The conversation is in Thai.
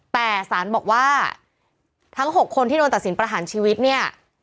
แต่สารบอกว่าทั้ง๖คนที่โดนตัดสินประหารชีวิตเนี่ย